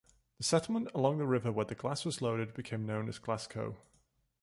The settlement along the river where the glass was loaded became known as Glasco.